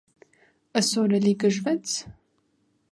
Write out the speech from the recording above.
- Ըսօր էլի գժվե՞ց: